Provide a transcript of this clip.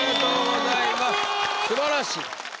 素晴らしい。